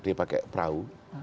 dia pakai perahu